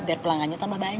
biar pelangganya tambah banyak